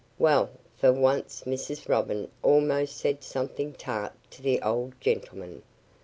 Well, for once Mrs. Robin almost said something tart to the old gentleman.